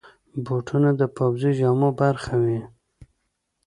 بوټونه د پوځي جامو برخه وي.